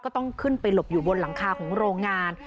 ก็ต้องขึ้นไปหลบอยู่บนหลังคาของโรงงาน